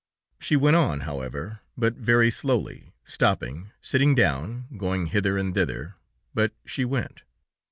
She went on, however, but very slowly, stopping, sitting down, going hither and thither, but she went.